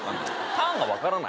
ターンが分からない。